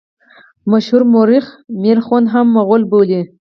مشهور مورخ میرخوند هم مغول بولي.